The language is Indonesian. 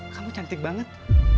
kamu cantik banget